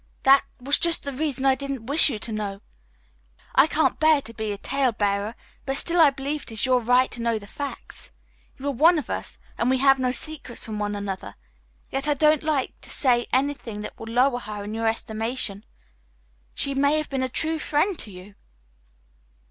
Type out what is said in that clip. "That was just the reason I didn't wish you to know. I can't bear to be a tale bearer, but still I believe it is your right to know the facts. You are one of us, and we have no secrets from one another, yet I don't like to say any thing that will lower her in your estimation. She may have been a true friend to you."